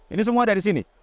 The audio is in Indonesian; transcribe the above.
ini semua dari sini